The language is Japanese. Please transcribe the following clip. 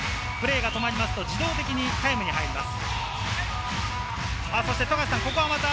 プレーが止まりますと自動的にタイムに入ります。